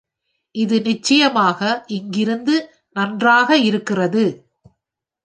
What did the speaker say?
இது நிச்சயமாக இங்கிருந்து நன்றாக இருக்கிறது.